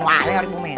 wah hari itu mesi